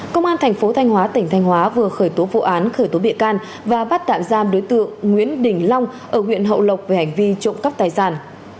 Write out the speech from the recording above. công an thành phố thanh hóa tỉnh thanh hóa vừa khởi tố vụ án khởi tố bị can và bắt tạm giam đối tượng nguyễn đình long ở huyện hậu lộc về hành vi trộm cắp tài sản